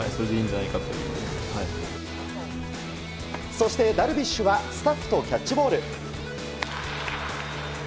そして、ダルビッシュはスタッフとキャッチボール。